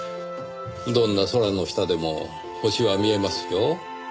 どんな空の下でも星は見えますよ。